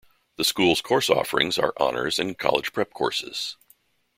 The school's course offerings are honors and college-prep courses.